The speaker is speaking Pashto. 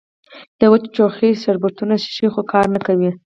د وچ ټوخي شربتونه څښي خو کار نۀ کوي